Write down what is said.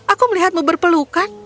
aku melihatmu berpelukan